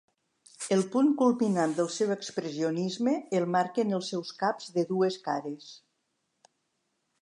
El punt culminant del seu expressionisme el marquen els seus caps de dues cares.